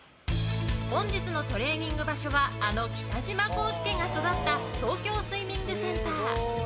本日のトレーニング場所はあの北島康介が育った東京スイミングセンター。